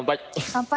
乾杯！